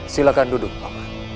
silakan duduk paman